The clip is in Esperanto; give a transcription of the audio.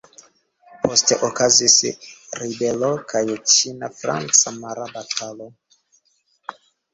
Poste okazis ribelo kaj ĉina-franca mara batalo.